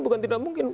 bukan tidak mungkin